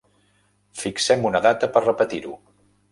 Fixem una data per repetir-ho.